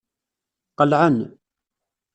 Qelɛen.